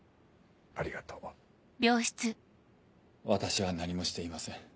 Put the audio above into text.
ありがとう私は何もしていません